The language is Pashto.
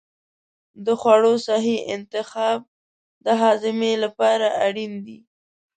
د خوړو صحي انتخاب د هاضمې لپاره اړین دی.